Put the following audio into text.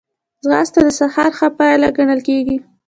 ځغاسته د سهار ښه پيل ګڼل کېږي